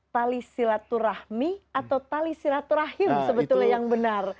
tali silatur rahmi atau tali silatur rahim sebetulnya yang benar